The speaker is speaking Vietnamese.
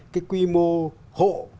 cái quy mô hộ